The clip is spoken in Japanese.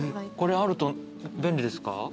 これあると便利ですか？